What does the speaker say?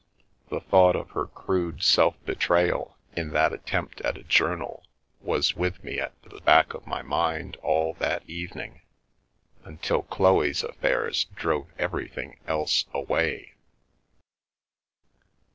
The thought of her crude self betrayal in that attempt at a journal was with me at the back of my mind all that evening, until Chloe's affairs drove everything else away.